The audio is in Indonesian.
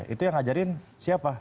itu yang ngajarin siapa